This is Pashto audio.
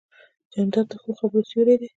جانداد د ښو خبرو سیوری دی.